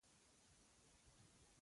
وږی انسان هم بې مالګې خوراک نه خوري.